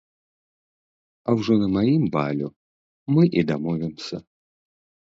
А ўжо на маім балю мы і дамовімся.